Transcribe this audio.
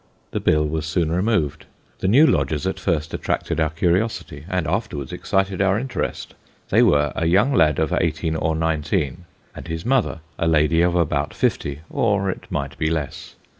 The bill was soon removed. The new lodgers at first attracted our curiosity, and after wards excited our interest. They were a young lad of eighteen or nineteen, and his mother, a lady of about fifty, or it might be less.